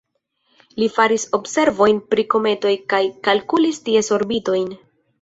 Li faris observojn pri kometoj kaj kalkulis ties orbitojn.